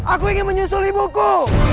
aku ingin menyusul ibuku